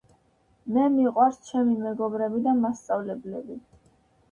მე მიყვარს ჩემი მეგობრები და მასწავლებლები.